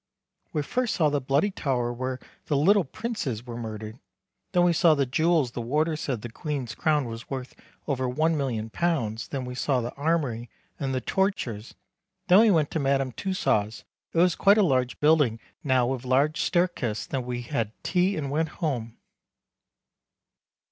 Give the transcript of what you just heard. We first saw the Bloody Tower were the little Princes were murdered then we saw the jewels the warder said the Queen's crown was worth over £1,000,000 then we saw the armory and the torture's, then we went to Madame Tussaus it is quite a large building now with a large stairkes then we had tea and went home.